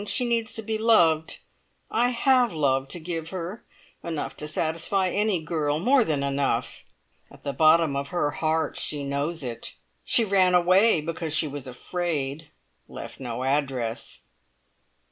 She needs to be loved. I have love to give her enough to satisfy any girl more than enough! At the bottom of her heart she knows it. She ran away because she was afraid. Left no address."